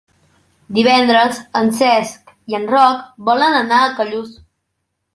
Divendres en Cesc i en Roc volen anar a Callús.